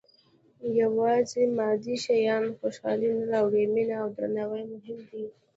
• یوازې مادي شیان خوشالي نه راوړي، مینه او درناوی مهم دي.